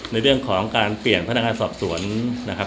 ในเรื่องของการเปลี่ยนพนักงานสอบสวนนะครับ